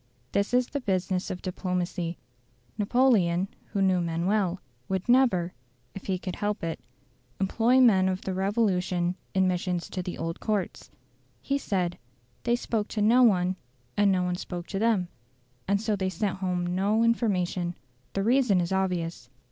This is the business of diplomacy. Napoleon, who knew men well, would never, if he could help it, employ men of the Revolution in missions to the old courts; he said, "They spoke to no one and no one spoke to them"; and so they sent home no information. The reason is obvious.